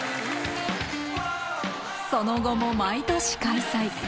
その後も毎年開催。